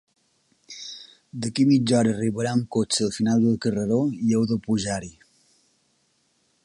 D'aquí mitja hora arribarà un cotxe al final del carreró i heu de pujar-hi.